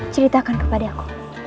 ceritakan kepada aku